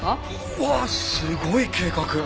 うわすごい計画。